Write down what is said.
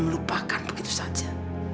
melupakan begitu saja